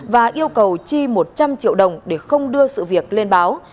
và yêu cầu chi một trăm linh triệu đồng để không đưa sự việc lên báo